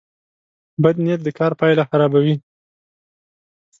بد نیت د کار پایله خرابوي.